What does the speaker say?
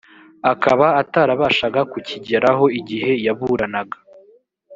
akaba atarabashaga kukigeraho igihe yaburanaga